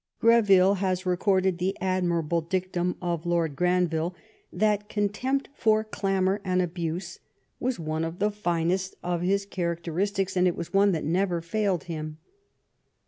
Greville has recorded the admirable dictum of Lord Granville, that contempt for clamour and abuse was one of the finest of his cha racteristics, and it was one that never failed him.